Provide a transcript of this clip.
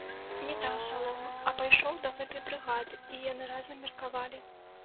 Не даў саломы, а пайшоў да гэтай брыгады, і яны разам меркавалі.